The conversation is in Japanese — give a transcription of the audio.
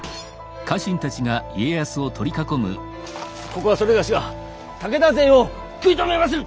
ここはそれがしが武田勢を食い止めまする！